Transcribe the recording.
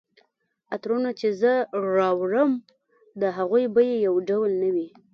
عطرونه چي زه راوړم د هغوی بیي یو ډول نه وي